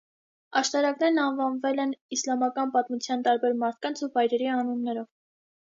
Աշտարակներն անվանվել են իսլամական պատմության տարբեր մարդկանց ու վայրերի անուններով։